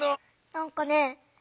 なんかね